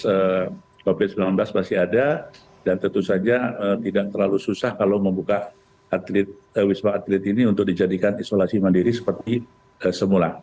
saya kira saat gas covid sembilan belas masih ada dan tentu saja tidak terlalu susah kalau membuka wisma athlete ini untuk dijadikan isolasi mandiri seperti semula